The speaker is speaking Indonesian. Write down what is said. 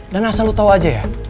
dan asal lu tau aja ya